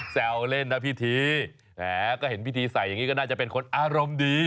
แซวเล่นนะพิธีแหมก็เห็นพิธีใส่อย่างนี้ก็น่าจะเป็นคนอารมณ์ดี